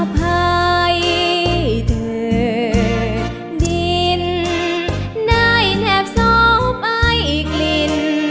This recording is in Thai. อภัยเธอดินได้แทบซ้อมไปกลิ่น